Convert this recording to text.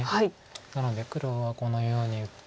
なので黒はこのように打って。